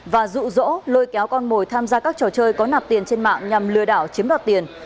và rụ rỗ lôi kéo con mồi tham gia các trò chơi có nạp tiền trên mạng nhằm lừa đảo chiếm đoạt tiền